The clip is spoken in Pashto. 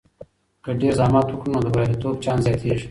که ډیر زحمت وکړو، نو د بریالیتوب چانس زیاتیږي.